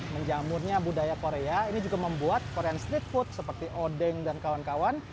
menjamurnya budaya korea ini juga membuat korean street food seperti odeng dan kawan kawan